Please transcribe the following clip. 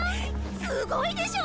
すごいでしょ！